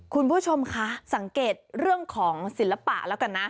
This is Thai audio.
คุณผู้ชมคะสังเกตเรื่องของศิลปะแล้วกันนะ